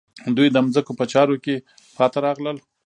دوی د ځمکو په چارو کې پاتې راغلل.